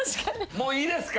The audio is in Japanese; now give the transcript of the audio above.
もういいですか？